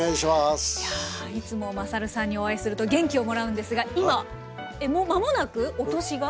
いやいつもまさるさんにお会いすると元気をもらうんですが今もう間もなくお年が？